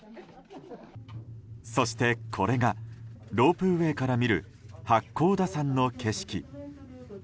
そして、これがロープウェーから見る八甲田山の景色。